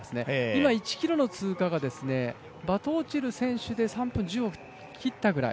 今、１ｋｍ通過がバトオチル選手で３分１０を切ったぐらい。